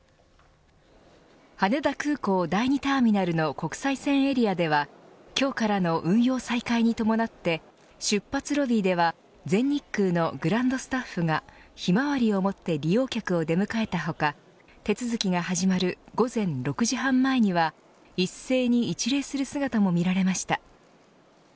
羽田空港第２ターミナルの国際線エリアでは今日からの運用再開に伴って出発ロビーでは全日空のグランドスタッフがひまわりを持って利用客を出迎えた他手続きが始まる午前６時半前には一斉に一礼する姿も見られました。